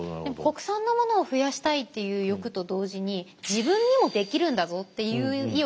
国産のものを増やしたいっていう欲と同時に自分にもできるんだぞっていう意欲もありそうですよね。